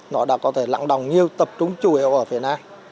nó đã có thể lặng đồng nhiều tập trung chủ yếu ở phía nam